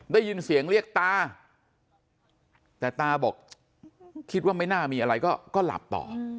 ได้ยินเสียงเรียกตาแต่ตาบอกคิดว่าไม่น่ามีอะไรก็หลับต่อ